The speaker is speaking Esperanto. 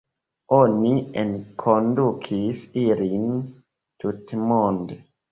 Oni enkondukis ilin tutmonde.